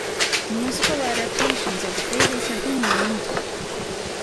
Musical adaptations of the fables have been more limited.